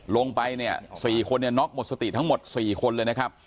ลงไปเนี่ย๔คนเนี่ยน็อกหมดสติทั้งหมด๔คนเลยนะครับ